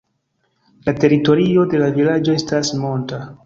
La teritorio de la vilaĝo estas monta.